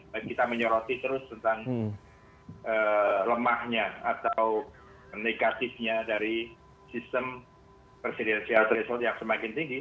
dan kita menyoroti terus tentang lemahnya atau negatifnya dari sistem presidenial threshold yang semakin tinggi